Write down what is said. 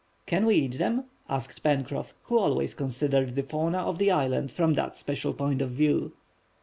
"Can we eat them?" asked Pencroff, who always considered the fauna of the island from that special point of view.